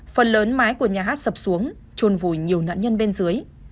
phần lớn mái của nhà hát sập xuống trôn vùi nhiều nạn nhân bên dưới